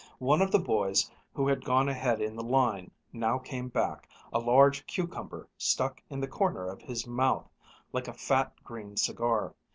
One of the boys who had gone ahead in the line now came back, a large cucumber stuck in the corner of his mouth like a fat, green cigar.